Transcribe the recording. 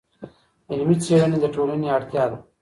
علمي څېړنې د ټولنې اړتیا ده.